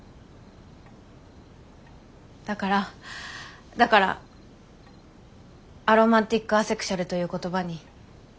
だからだからアロマンティック・アセクシュアルという言葉に。